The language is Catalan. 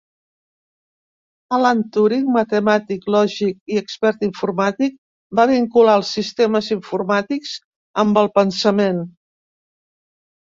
Alan Turing, matemàtic, lògic i expert informàtic, va vincular els sistemes informàtics amb el pensament.